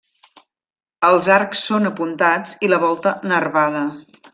Els arcs són apuntats i la volta nervada.